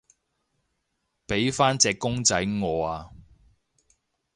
畀返隻公仔我啊